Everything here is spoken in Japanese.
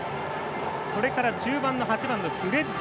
それから中盤、８番のフレッジ